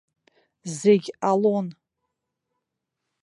Зегь ҟалон.